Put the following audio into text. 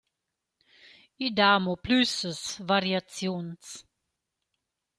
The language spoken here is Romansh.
I da amo plüssas variaziuns.